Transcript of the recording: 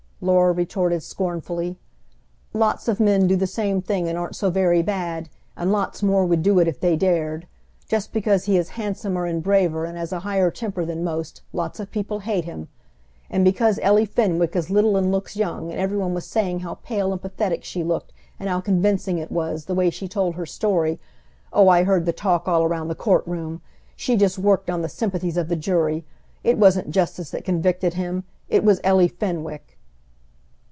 Laura retorted scornfully, "Lots of men do the same thing and aren't so very bad; and lots more would do it if they dared. Just because he is handsomer and braver and has a higher temper than most, lots of people hate him. And because Ellie Fenwick is little and looks young, and every one was saying how pale and pathetic she looked and how convincing it was, the way she told her story, oh, I heard the talk all around the court room! she just worked on the sympathies of the jury! It wasn't justice that convicted him! It was Ellie Fenwick!"